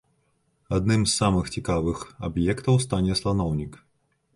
Адным з самых цікавых аб'ектаў стане сланоўнік.